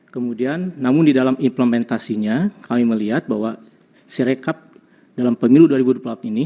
kemudian namun di dalam implementasinya kami melihat bahwa sirekap dalam pemilu dua ribu dua puluh empat ini